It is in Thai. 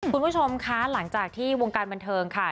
คุณผู้ชมคะหลังจากที่วงการบันเทิงค่ะ